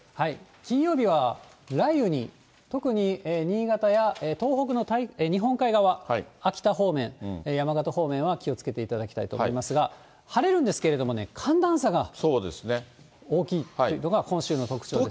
金曜日は雷雨に、特に新潟や東北の日本海側、秋田方面、山形方面は気をつけていただきたいと思いますが、晴れるんですけれどもね、寒暖差が大きいというのが、今週の特徴です。